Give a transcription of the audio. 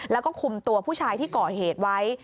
แล้วก็คุมตัวผู้ชายที่ก่อเหตุไว้